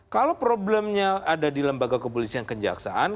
kalau problemnya ada di lembaga kepolisian dan kenjaksaan